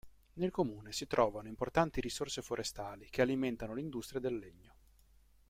Nel comune si trovano importanti risorse forestali che alimentano l'industria del legno.